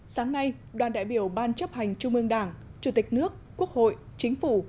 sáng nay đoàn đại biểu ban chấp hành trung ương đảng chủ tịch nước quốc hội chính phủ